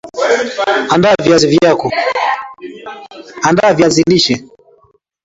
Andaa viazi lishe